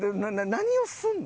何をするの？